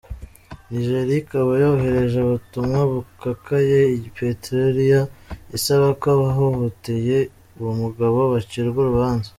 Nigeria ikaba yohereje ubutumwa bukakaye i Pretoria, isaba ko abahohoteye uwo mugabo bacirwa urubanza.